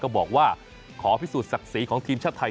บอกว่าขอพิสูจนศักดิ์ศรีของทีมชาติไทย